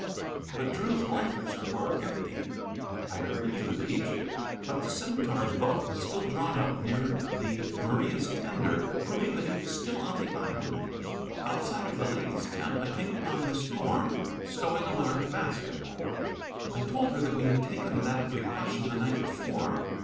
But Drew's blankets were empty. I hurried to the beach, but the Scimitar's boat was still drawn up there near the Maria's tender, proving that he was still on the island. Outside of the ladies' tent I came upon Miss Thorn, stowing a large basket. I told her that we had taken that precaution the night before.